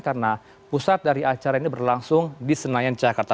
karena pusat dari acara ini berlangsung di senayan jakarta